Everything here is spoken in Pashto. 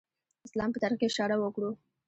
اسلام په تاریخ کې اشاره وکړو.